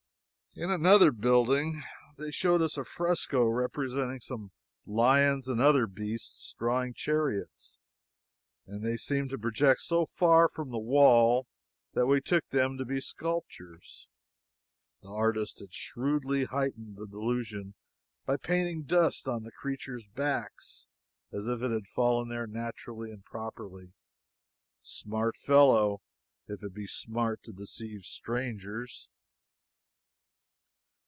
In another building they showed us a fresco representing some lions and other beasts drawing chariots; and they seemed to project so far from the wall that we took them to be sculptures. The artist had shrewdly heightened the delusion by painting dust on the creatures' backs, as if it had fallen there naturally and properly. Smart fellow if it be smart to deceive strangers.